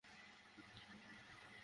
তখনই দেখি ও মৃত অবস্থায় পড়ে আছে।